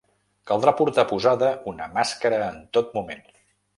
Caldrà portar posada una màscara en tot moment.